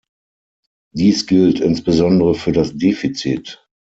Dies gilt insbesondere für das Defizit.